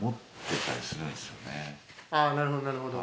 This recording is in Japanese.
ああなるほどなるほど。